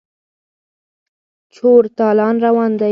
چور تالان روان دی.